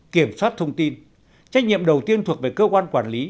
kiểm soát thông tin trách nhiệm đầu tiên thuộc về cơ quan quản lý